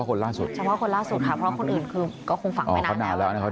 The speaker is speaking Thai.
ต้องมาทุบเฉพาะคนล่าสุดค่ะเพราะคนอื่นก็คงฝังไม่นานแล้ว